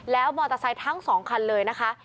แล้วมอเตอร์ไซค์ทั้งสองคันเลยนะคะ